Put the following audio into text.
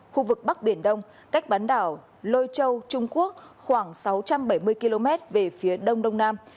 khu vực bắc biển đông cách bán đảo lôi châu trung quốc khoảng sáu trăm bảy mươi km về phía đông đông nam